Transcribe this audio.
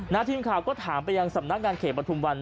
ทีมข่าวก็ถามไปยังสำนักงานเขตประทุมวัน